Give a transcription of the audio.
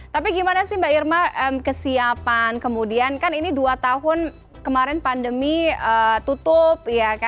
tapi gimana sih mbak irma kesiapan kemudian kan ini dua tahun kemarin pandemi tutup